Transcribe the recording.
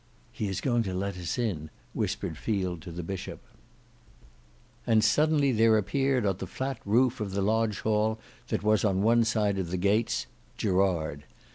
"He is going to let us in," whispered Field to the Bishop. And suddenly there appeared on the flat roof of the lodge that was on one side of the gates—Gerard.